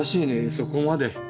そこまで。